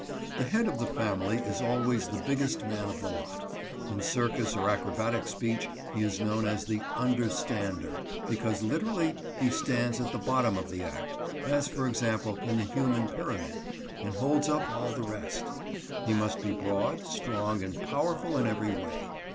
The head of the "family" is always the biggest man of the lot. In circus or acrobatic speech he is known as the "under stander," because literally he stands at the bottom of the act, as for example in the human pyramid, and holds up all the rest. He must be broad, strong, and powerful in every way.